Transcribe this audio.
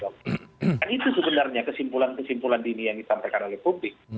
kan itu sebenarnya kesimpulan kesimpulan dini yang disampaikan oleh publik